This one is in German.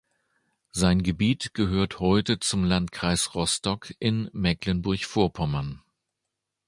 Sein Gebiet gehört heute zum Landkreis Rostock in Mecklenburg-Vorpommern.